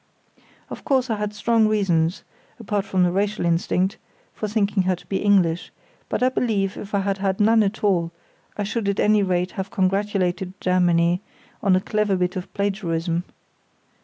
Of course I had strong reasons, apart from the racial instinct, for thinking her to be English, but I believe that if I had had none at all I should at any rate have congratulated Germany on a clever bit of plagiarism.